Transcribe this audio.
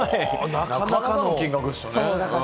なかなかの金額ですね。